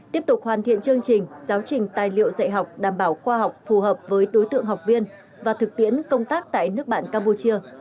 tiếp tục hoàn thiện chương trình giáo trình tài liệu dạy học đảm bảo khoa học phù hợp với đối tượng học viên và thực tiễn công tác tại nước bạn campuchia